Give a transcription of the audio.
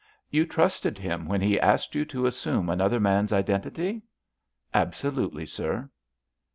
"You trusted him when he asked you to assume another man's identity?" "Absolutely, sir."